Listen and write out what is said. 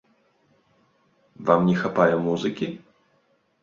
Вам не хапае музыкі?